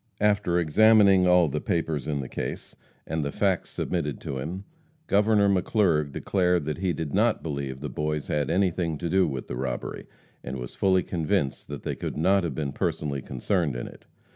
After examining all the papers in the case, and the facts submitted to him, Governor McClurg declared that he did not believe the boys had anything to do with the robbery, and was fully convinced that they could not have been personally concerned in it.